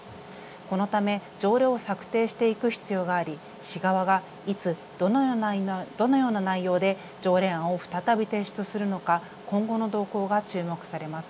このため、条例を策定していく必要があり市側がいつどのような内容で条例案を再び提出するのか今後の動向が注目されます。